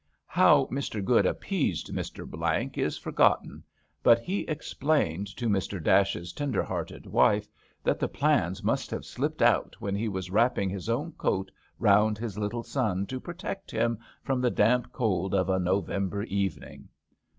How Mr. Good appeased Mr. Blank is forgotten, but he explained to Mr. Dash's tender hearted wife that the plans must have slipped out when he was wrapping his own coat round his little son to protect him from the damp cold of a November even ing.